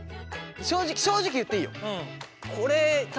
正直正直言っていいよ。